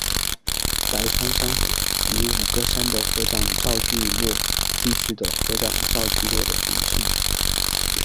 白川乡与五个山的合掌造聚落地区的合掌造聚落的总称。